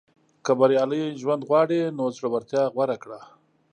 • که بریالی ژوند غواړې، نو زړورتیا غوره کړه.